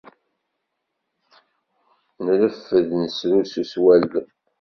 Nreffed nesrusu s wallen.